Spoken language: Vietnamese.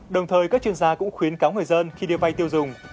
đồng thời các chuyên gia cũng khuyến cáo người dân khi đi vay tiêu dùng